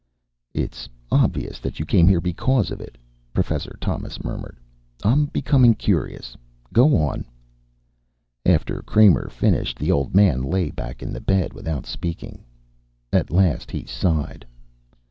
"It's obvious that you came here because of it," Professor Thomas murmured. "I'm becoming curious. Go on." After Kramer finished the old man lay back in the bed without speaking. At last he sighed.